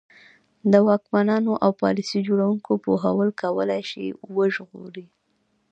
د واکمنانو او پالیسي جوړوونکو پوهول کولای شي وژغوري.